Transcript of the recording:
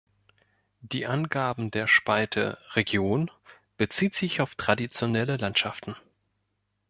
Die Angaben der Spalte Region bezieht sich auf traditionelle Landschaften.